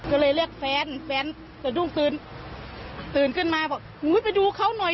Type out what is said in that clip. ก็เลยเรียกแฟนแฟนสะดุ้งตื่นตื่นขึ้นมาบอกอุ้ยไปดูเขาหน่อย